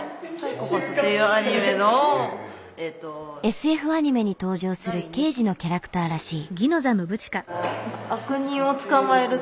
ＳＦアニメに登場する刑事のキャラクターらしい。